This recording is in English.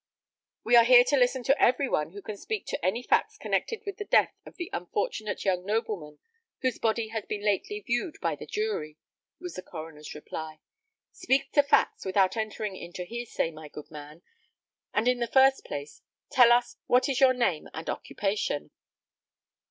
"We are here to listen to every one who can speak to any facts connected with the death of the unfortunate young nobleman whose body has been lately viewed by the jury," was the coroner's reply. "Speak to facts, without entering into hearsay, my good man; and in the first place, tell us what is your name and occupation?"